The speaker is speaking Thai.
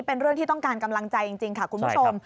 เป็นเรื่องที่ต้องการกำลังใจจริงค่ะคุณผู้ชม